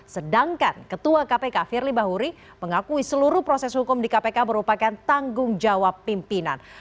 sedangkan ketua kpk firly bahuri mengakui seluruh proses hukum di kpk merupakan tanggung jawab pimpinan